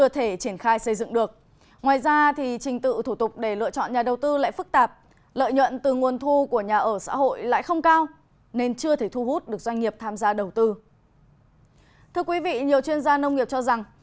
thưa quý vị nhiều chuyên gia nông nghiệp cho rằng